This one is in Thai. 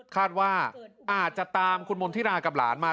คาดว่าอาจจะตามคุณมณฑิรากับหลานมา